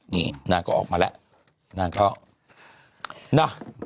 นี่หน้าก็ออกมาแล้ว